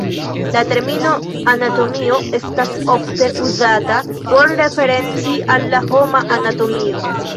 La termino "anatomio" estas ofte uzata por referenci al la homa anatomio.